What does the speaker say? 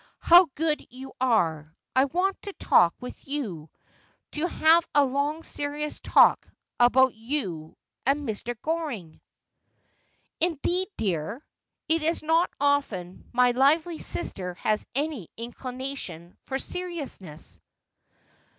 'How good you are ! I want to talk with you — to have a long serious talk — about you and — Mr. Goring.' ' Indeed, dear. It is not often my lively sister has any incli nation for seriousness.'